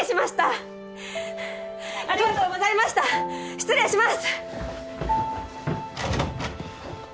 失礼します。